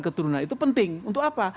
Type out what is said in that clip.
keturunan itu penting untuk apa